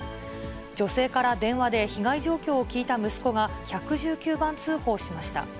女性から電話で被害状況を聞いた息子が１１９番通報しました。